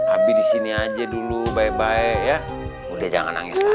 abi disini aja dulu bye bye ya udah jangan nangis lagi ya